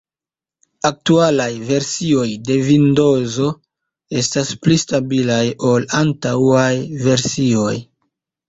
Aktualaj versioj de Vindozo estas pli stabilaj ol antaŭaj versioj.